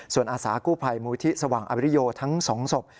ส่วนอาสากู้ภัยมูลที่สว่างอบริโยทั้ง๒ศพ